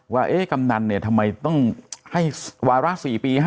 ว่าเอ๊ะกำหนังเนี่ยทำไมต้องให้วารักษ์๔ปี๕ปี